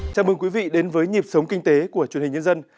chào mừng quý vị đến với nhịp sống kinh tế của truyền hình nhân dân